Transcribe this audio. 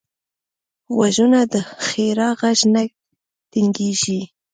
غوږونه د ښیرا غږ نه تنګېږي